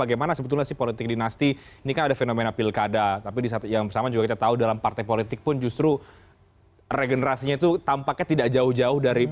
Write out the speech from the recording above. itulah maka saya katakan tadi